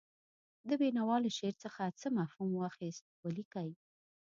د بېنوا له شعر څخه څه مفهوم واخیست ولیکئ.